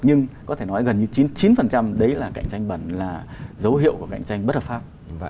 nhưng có thể nói gần như chín mươi chín đấy là cạnh tranh bẩn là dấu hiệu của cạnh tranh bất hợp pháp